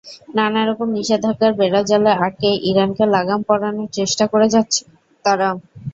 নানা রকম নিষেধাজ্ঞার বেড়াজালে আটকে ইরানকে লাগাম পরানোর চেষ্টা করে যাচ্ছিল তারা।